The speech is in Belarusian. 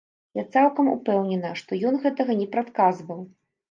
Я цалкам упэўнена, што ён гэтага не прадказваў.